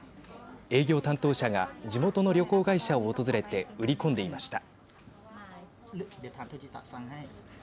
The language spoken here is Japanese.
営業担当者が地元の旅行会社を訪れて売り込んでいました。